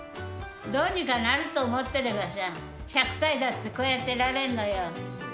どうにかなると思ってればさ、１００歳だってこうやっていられんのよ。